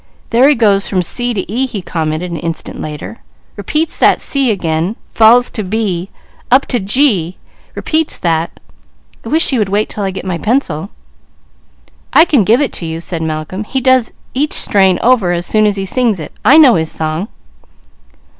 "There he goes from C to E," he commented an instant later, "repeats that C again, falls to B, up to G, repeats that I wish he would wait till I get my pencil." "I can give it to you," said Malcolm. "He does each strain over as soon as he sings it. I know his song!"